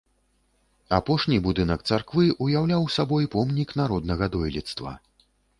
Апошні будынак царквы ўяўляў сабой помнік народнага дойлідства.